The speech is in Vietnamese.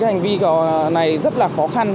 cái hành vi này rất là khó khăn